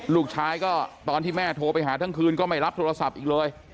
ลูกชายก็ตอนที่แม่โทรไปหาทั้งคืนก็ไม่รับโทรศัพท์อีกเลย